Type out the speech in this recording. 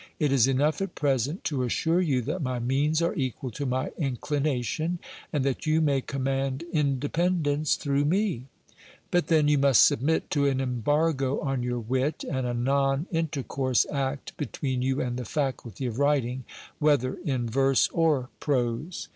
It is enough at present to assure you that my means are equal to my inclination, and that you may command independence through me ; but then you must submit to an embargo on your wit, and a non intercourse act between you and the faculty of writing, whether in verse or prose.